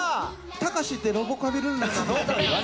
たしかしってロボ・カビルンルンなの？